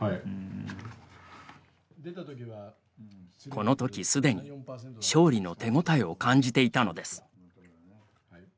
このときすでに勝利の手応えを感じていたのです。